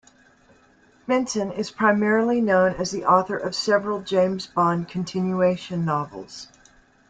Benson is primarily known as the author of several James Bond continuation novels.